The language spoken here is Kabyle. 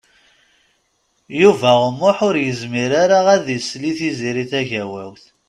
Yuba U Muḥ ur yezmir ara ad isell i Tiziri Tagawawt.